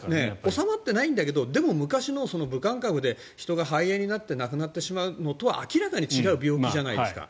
収まってないんだけど昔の武漢株で人が肺炎になって亡くなってしまうのとは明らかに違う病気じゃないですか。